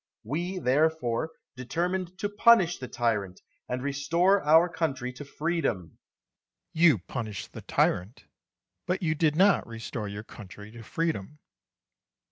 We, therefore, determined to punish the tyrant, and restore our country to freedom. Atticus. You punished the tyrant, but you did not restore your country to freedom.